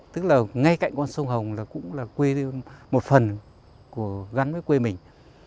tức là ngay cạnh con sông hồng là cũng là quê một phần gắn với quê mình